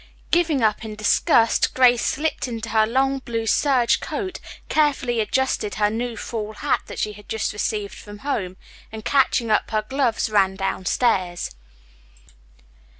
Giving up in disgust, Grace slipped into her long, blue serge coat, carefully adjusted her new fall hat that she had just received from home, and catching up her gloves ran downstairs.